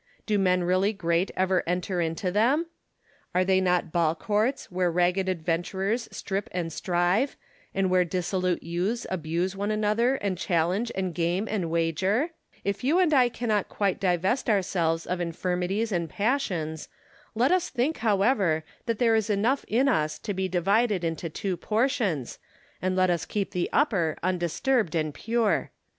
Do men really great ever enter into them ? Are they not ball courts, where ragged adventurers strip and strive, and where dissolute youths abuse one another, and challenge and game and wager 1 If you and I cannot quite divest ourselves of infirmities and passions, let us think however that there is enough in us to be divided into two portions, and let us keep the upper undisturbed and pure.